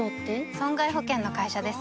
損害保険の会社です